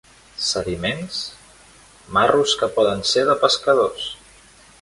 Sediments, marros que poden ser de pescadors.